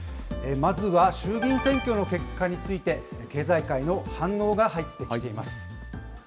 まずは衆議院選挙の結果について、経済界の反応が入ってきています。